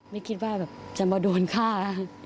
ไม่คิดว่าแบบจะมาโดนฆ่า